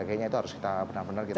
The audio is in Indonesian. kayaknya itu harus kita benar benar kita